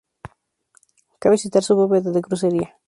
Cabe citar su bóveda de crucería.